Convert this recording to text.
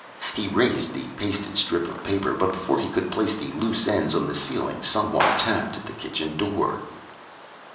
He raised the pasted strip of paper, but before he could place the loose end on the ceiling, some one tapped at the kitchen door.